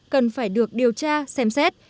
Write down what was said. cần phải được điều tra xem xét